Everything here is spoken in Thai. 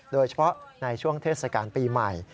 โดยเฉพาะในช่วงเทศกาลปีใหม่